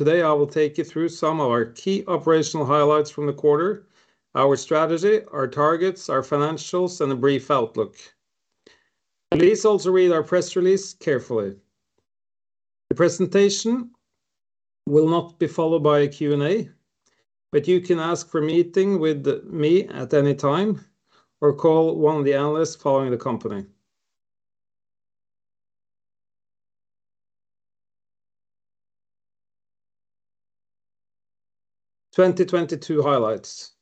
Today, I will take you through some of our key operational highlights from the quarter, our strategy, our targets, our financials, and a brief outlook. Please also read our press release carefully. The presentation will not be followed by a Q&A. You can ask for a meeting with me at any time or call one of the analysts following the company. 2022 highlights.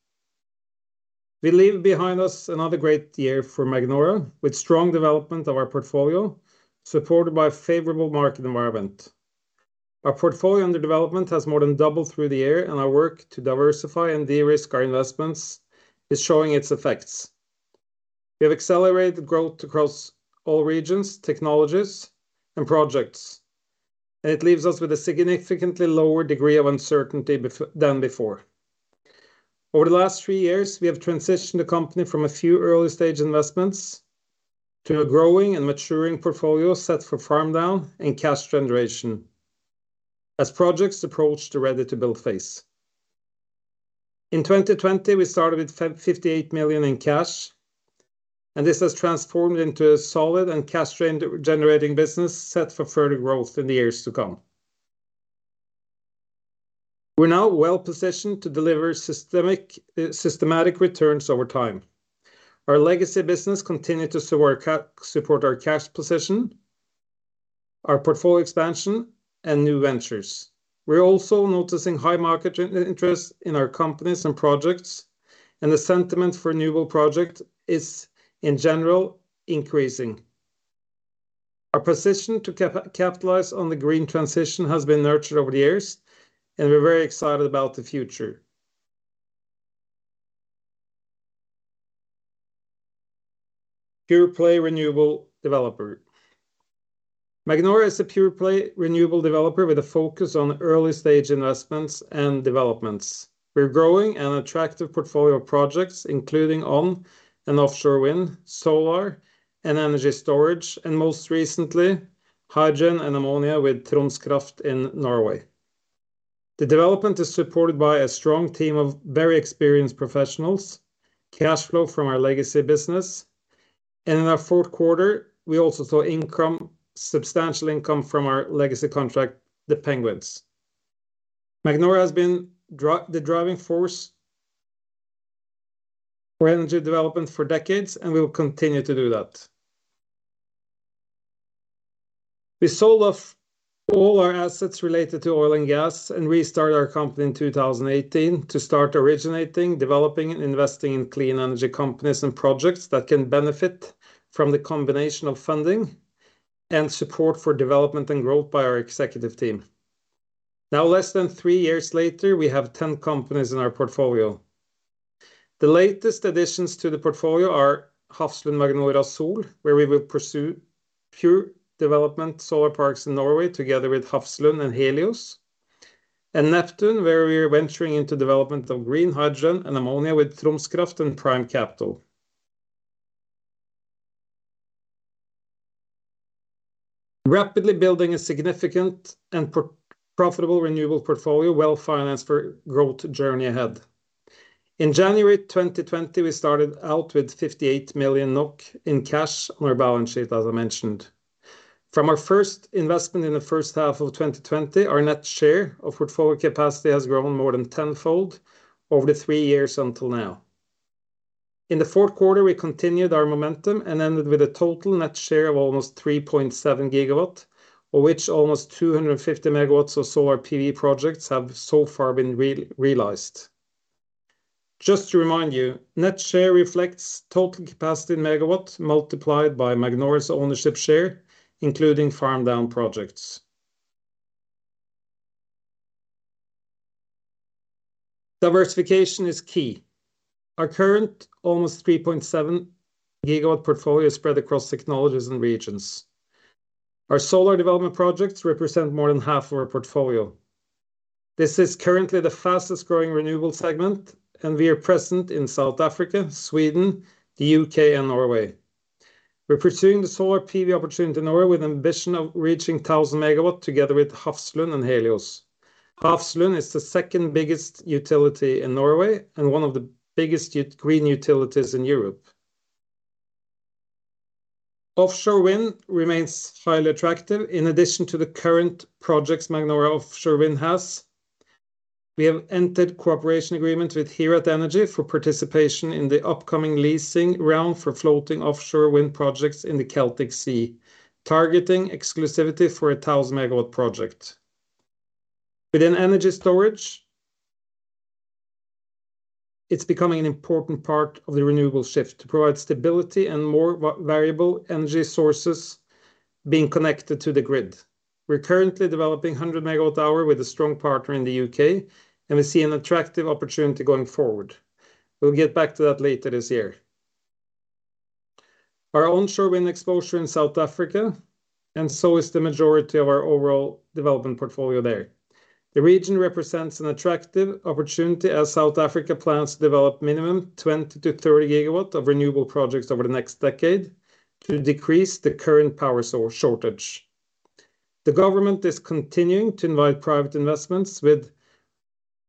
We leave behind us another great year for Magnora, with strong development of our portfolio, supported by a favorable market environment. Our portfolio under development has more than doubled through the year. Our work to diversify and de-risk our investments is showing its effects. We have accelerated growth across all regions, technologies, and projects. It leaves us with a significantly lower degree of uncertainty than before. Over the last three years, we have transitioned the company from a few early stage investments to a growing and maturing portfolio set for farm down and cash generation as projects approach the ready to build phase. In 2020, we started with 58 million in cash. This has transformed into a solid and generating business set for further growth in the years to come. We're now well positioned to deliver systemic, systematic returns over time. Our legacy business support our cash position, our portfolio expansion, and new ventures. We're also noticing high market interest in our companies and projects. The sentiment for renewable project is, in general, increasing. Our position to capitalize on the green transition has been nurtured over the years. We're very excited about the future. Pure play renewable developer. Magnora is a pure play renewable developer with a focus on early stage investments and developments. We're growing an attractive portfolio of projects, including on- and offshore wind, solar, and energy storage, and most recently, hydrogen and ammonia with Troms Kraft in Norway. The development is supported by a strong team of very experienced professionals, cash flow from our legacy business, and in our fourth quarter, we also saw income, substantial income from our legacy contract, the Penguins. Magnora has been the driving force for energy development for decades, and we will continue to do that. We sold off all our assets related to oil and gas and restart our company in 2018 to start originating, developing, and investing in clean energy companies and projects that can benefit from the combination of funding and support for development and growth by our executive team. Less than three years later, we have ten companies in our portfolio. The latest additions to the portfolio are Hafslund Magnora Sol, where we will pursue pure development solar parks in Norway together with Hafslund and Helios, and Neptun, where we are venturing into development of green hydrogen and ammonia with Troms Kraft and Prime Capital. Rapidly building a significant and profitable renewable portfolio, well financed for growth journey ahead. In January 2020, we started out with 58 million NOK in cash on our balance sheet, as I mentioned. From our first investment in the first half of 2020, our net share of portfolio capacity has grown more than tenfold over the three years until now. In the fourth quarter, we continued our momentum and ended with a total net share of almost 3.7 GW, of which almost 250 MW of solar PV projects have so far been realized. Just to remind you, net share reflects total capacity in megawatts multiplied by Magnora's ownership share, including farmed down projects. Diversification is key. Our current almost 3.7 GW portfolio is spread across technologies and regions. Our solar development projects represent more than half of our portfolio. This is currently the fastest growing renewable segment. We are present in South Africa, Sweden, the UK, and Norway. We're pursuing the solar PV opportunity in Norway with an ambition of reaching 1,000 MW together with Hafslund and Helios. Hafslund is the second biggest utility in Norway and one of the biggest green utilities in Europe. Offshore wind remains highly attractive. In addition to the current projects Magnora Offshore Wind has, we have entered cooperation agreement with Hiraeth Energy for participation in the upcoming leasing round for floating offshore wind projects in the Celtic Sea, targeting exclusivity for a 1,000 MW project. Within energy storage, it's becoming an important part of the renewable shift to provide stability and more variable energy sources being connected to the grid. We're currently developing 100 MWh with a strong partner in the UK, and we see an attractive opportunity going forward. We'll get back to that later this year. So is the majority of our overall development portfolio there. The region represents an attractive opportunity as South Africa plans to develop minimum 20-30 GW of renewable projects over the next decade to decrease the current power shortage. The government is continuing to invite private investments with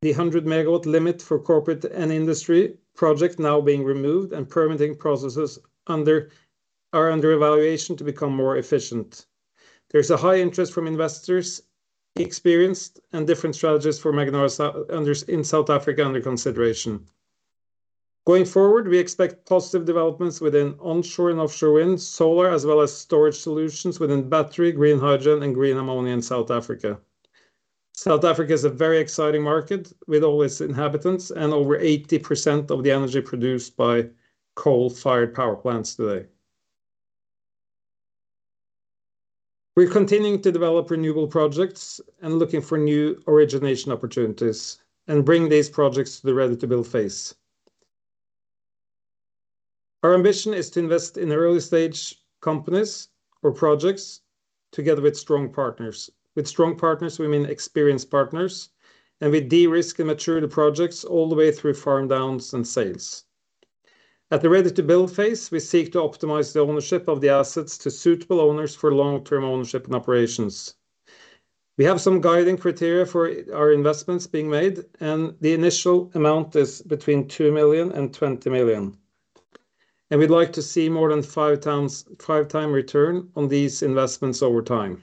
the 100 MW limit for corporate and industry project now being removed and permitting processes are under evaluation to become more efficient. There's a high interest from investors experienced and different strategies for Magnora in South Africa under consideration. Going forward, we expect positive developments within onshore and offshore winds, solar, as well as storage solutions within battery, green hydrogen and green ammonia in South Africa. South Africa is a very exciting market with all its inhabitants and over 80% of the energy produced by coal-fired power plants today. We're continuing to develop renewable projects and looking for new origination opportunities and bring these projects to the ready-to-build phase. Our ambition is to invest in early-stage companies or projects together with strong partners. With strong partners, we mean experienced partners, and we de-risk and mature the projects all the way through farm-downs and sales. At the ready to build phase, we seek to optimize the ownership of the assets to suitable owners for long-term ownership and operations. We have some guiding criteria for our investments being made, and the initial amount is between 2 million and 20 million. We'd like to see more than 5 times, 5-time return on these investments over time.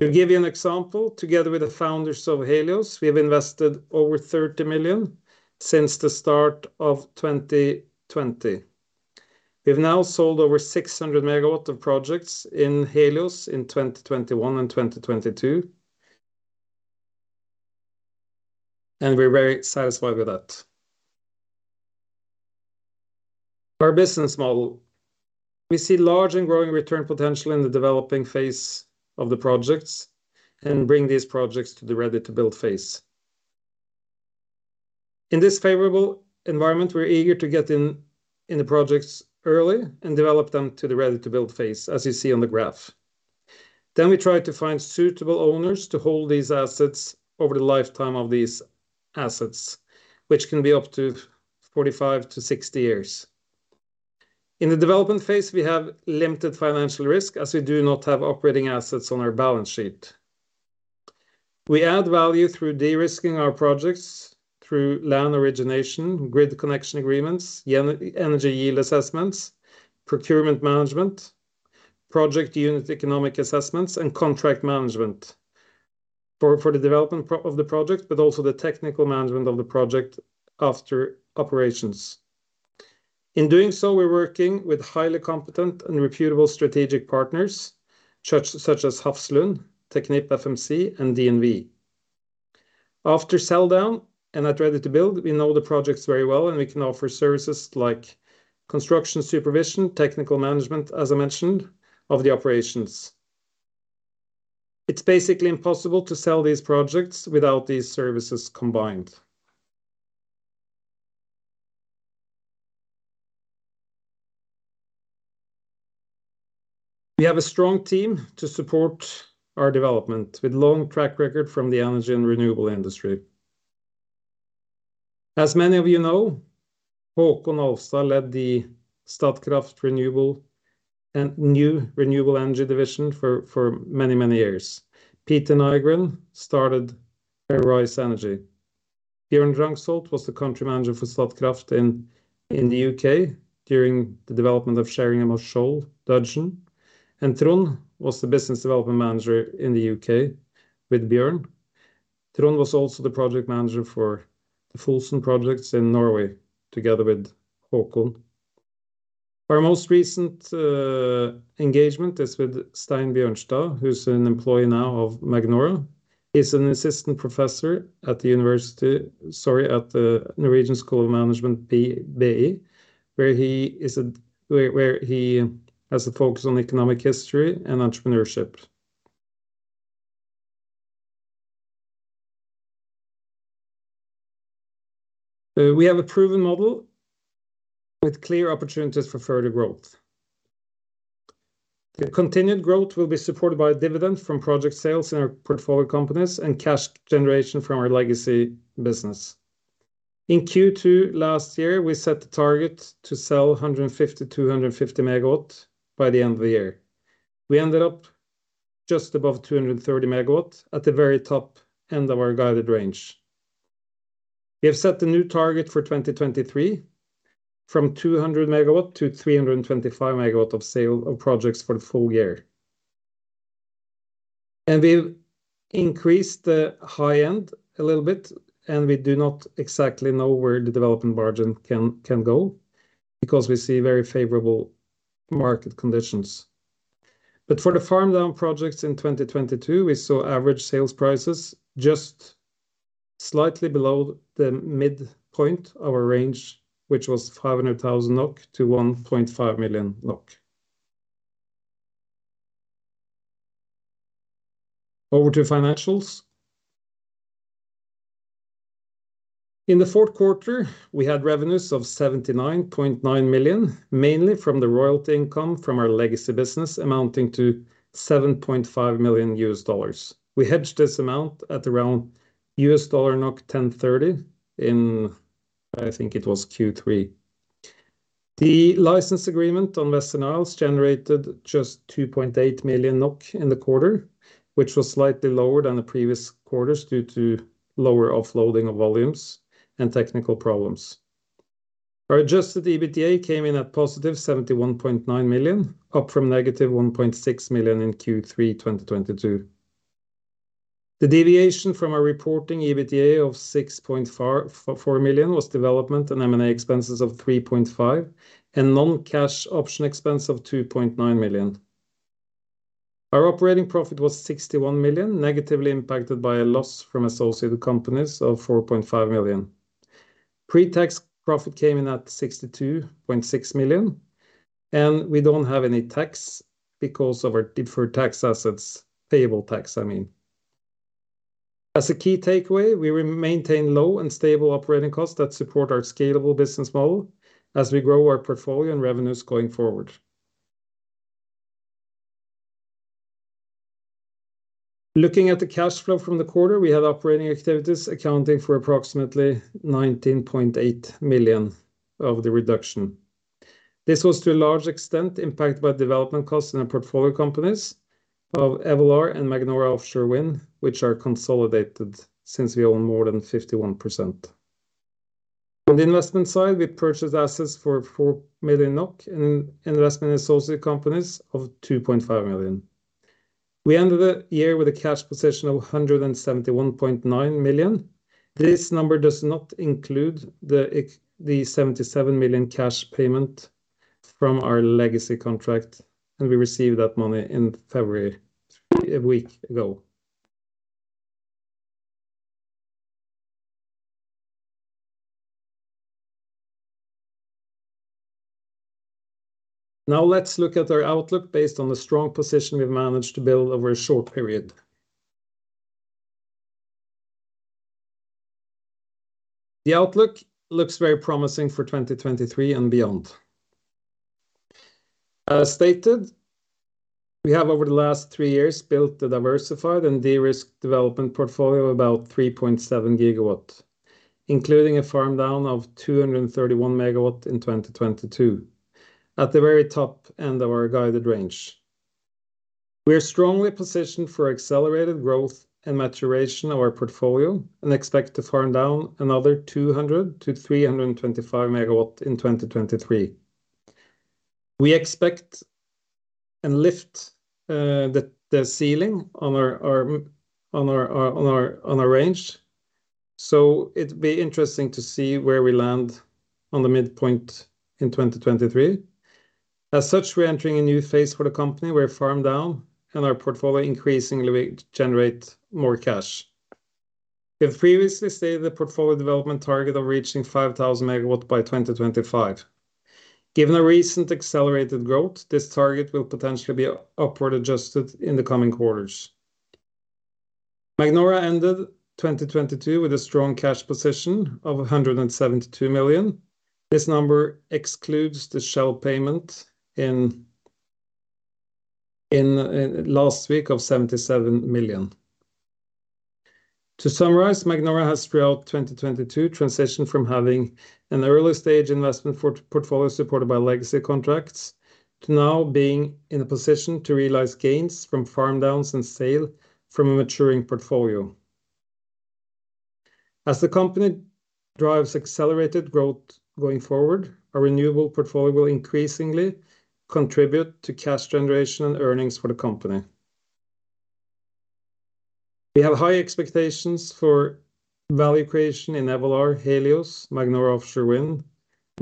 To give you an example, together with the founders of Helios, we have invested over 30 million since the start of 2020. We've now sold over 600 megawatt of projects in Helios in 2021 and 2022. We're very satisfied with that. Our business model. We see large and growing return potential in the developing phase of the projects and bring these projects to the ready to build phase. In this favorable environment, we're eager to get in the projects early and develop them to the ready to build phase, as you see on the graph. We try to find suitable owners to hold these assets over the lifetime of these assets, which can be up to 45-60 years. In the development phase, we have limited financial risk as we do not have operating assets on our balance sheet. We add value through de-risking our projects through land origination, grid connection agreements, energy yield assessments, procurement management, project economic assessments, and contract management for the development of the project, also the technical management of the project after operations. In doing so, we're working with highly competent and reputable strategic partners such as Hafslund, TechnipFMC, and DNV. After sell down and at ready to build, we know the projects very well, we can offer services like construction supervision, technical management, as I mentioned, of the operations. It's basically impossible to sell these projects without these services combined. We have a strong team to support our development with long track record from the energy and renewable industry. As many of you know, Håkon Aanestad led the Statkraft Renewable and new renewable energy division for many, many years. Peter Nygren started RES. Bjørn Drangsholt was the country manager for Statkraft in the U.K. during the development of Sheringham Shoal, Dudgeon. Trond was the business development manager in the U.K. with Bjørn. Trond was also the project manager for the Fosen projects in Norway, together with Håkon. Our most recent engagement is with Stein Bjørnstad, who's an employee now of Magnora. He's an assistant professor at the Norwegian School of Management, BI, where he has a focus on economic history and entrepreneurship. We have a proven model with clear opportunities for further growth. The continued growth will be supported by dividend from project sales in our portfolio companies and cash generation from our legacy business. In Q2 last year, we set the target to sell 150 MW-250 MW by the end of the year. We ended up just above 230 MW at the very top end of our guided range. We have set a new target for 2023 from 200 MW to 325 MW of sale of projects for the full year. We've increased the high end a little bit, and we do not exactly know where the development margin can go because we see very favorable market conditions. For the farm-down projects in 2022, we saw average sales prices just slightly below the midpoint of our range, which was 500,000-1.5 million NOK. Over to financials. In the fourth quarter, we had revenues of 79.9 million, mainly from the royalty income from our legacy business amounting to $7.5 million. We hedged this amount at around USD/NOK 10.30 in Q3. The license agreement on Western Isles generated just 2.8 million NOK in the quarter, which was slightly lower than the previous quarters due to lower offloading of volumes and technical problems. Our adjusted EBITDA came in at positive 71.9 million, up from negative 1.6 million in Q3 2022. The deviation from our reporting EBITDA of 6.44 million was development and M&A expenses of 3.5 million and non-cash option expense of 2.9 million. Our operating profit was 61 million, negatively impacted by a loss from associated companies of 4.5 million. Pre-tax profit came in at 62.6 million. We don't have any tax because of our deferred tax assets. Payable tax, I mean. As a key takeaway, we re-maintain low and stable operating costs that support our scalable business model as we grow our portfolio and revenues going forward. Looking at the cash flow from the quarter, we had operating activities accounting for approximately 19.8 million of the reduction. This was to a large extent impacted by development costs in our portfolio companies of Evolar and Magnora Offshore Wind, which are consolidated since we own more than 51%. On the investment side, we purchased assets for 4 million NOK in investment associated companies of 2.5 million. We ended the year with a cash position of 171.9 million. This number does not include the 77 million cash payment from our legacy contract, and we received that money in February, a week ago. Now let's look at our outlook based on the strong position we've managed to build over a short period. The outlook looks very promising for 2023 and beyond. As stated, we have over the last three years built a diversified and de-risked development portfolio of about 3.7 GW, including a farm-down of 231 MW in 2022 at the very top end of our guided range. We are strongly positioned for accelerated growth and maturation of our portfolio and expect to farm-down another 200-325 MW in 2023. We expect, and lift, the ceiling on our range, so it'd be interestig to see where we land on the midpoint in 2023. As such, we're entering a new phase for the company where we're farm-down and our portfolio increasingly will generate more cash. We have previously stated the portfolio development target of reaching 5,000 MW by 2025. Given our recent accelerated growth, this target will potentially be upward adjusted in the coming quarters. Magnora ended 2022 with a strong cash position of 172 million. This number excludes the Shell payment last week of 77 million. To summarize, Magnora has throughout 2022 transitioned from having an early-stage investment portfolio supported by legacy contracts to now being in a position to realize gains from farm-downs and sale from a maturing portfolio. As the company drives accelerated growth going forward, our renewable portfolio will increasingly contribute to cash generation and earnings for the company. We have high expectations for value creation in Evolar, Helios, Magnora Offshore Wind,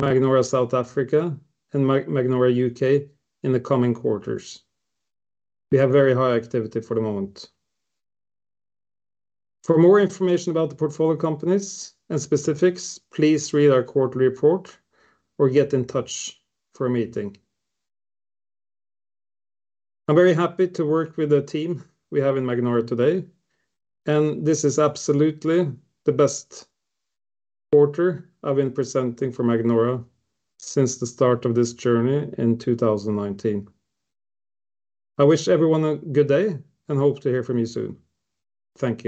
Magnora South Africa, and Magnora UK in the coming quarters. We have very high activity for the moment. For more information about the portfolio companies and specifics, please read our quarterly report or get in touch for a meeting. I'm very happy to work with the team we have in Magnora today. This is absolutely the best quarter I've been presenting for Magnora since the start of this journey in 2019. I wish everyone a good day and hope to hear from you soon. Thank you.